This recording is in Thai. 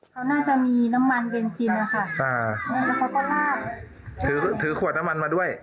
เขาน่าจะมีน้ำมันเบนจินนะคะอ่าแล้วเขาก็ลากถือถือขวดน้ำมันมาด้วย